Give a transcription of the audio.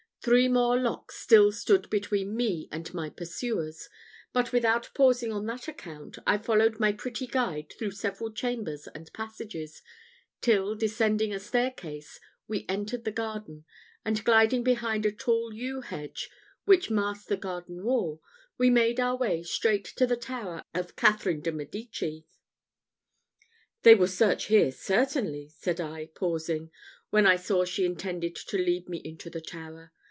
Three more locks still stood between me and my pursuers; but without pausing on that account, I followed my pretty guide through several chambers and passages, till, descending a staircase, we entered the garden, and gliding behind a tall yew hedge which masked the garden wall, we made our way straight to the tower of Catherine de Medicis. "They will search here, certainly," said I, pausing, when I saw she intended to lead me into the tower.